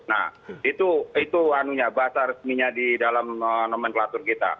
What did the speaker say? nah itu bahasa resminya di dalam nomenklatur kita